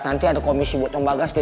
nanti ada komisi buat om bagas deh